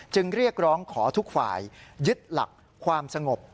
เรียกร้องขอทุกฝ่ายยึดหลักความสงบ